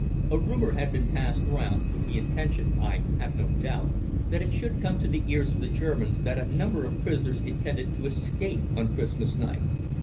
A rumor had been passed round, with the intention, I have no doubt, that it should come to the ears of the Germans, that a number of prisoners intended to escape on Christmas night.